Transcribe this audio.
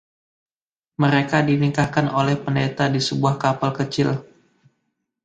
Mereka dinikahkan oleh pendeta di sebuah kapel kecil.